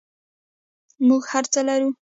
موږ هر څه لرو